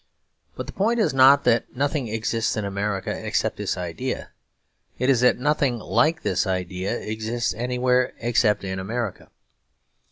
But the point is not that nothing exists in America except this idea; it is that nothing like this idea exists anywhere except in America.